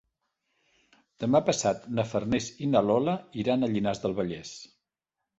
Demà passat na Farners i na Lola iran a Llinars del Vallès.